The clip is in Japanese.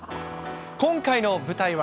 今回の舞台は。